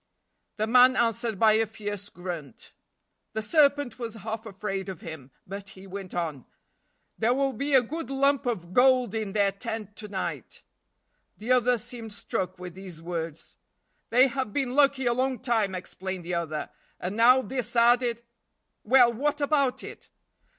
The man answered by a fierce grunt. The serpent was half afraid of him, but he went on. "There will be a good lump of gold in their tent to night." The other seemed struck with these words. "They have been lucky a long time," explained the other, "and now this added " "Well, what about it?"